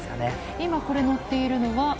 今、これ乗っているのは。